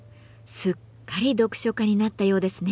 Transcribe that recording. すっかり読書家になったようですね。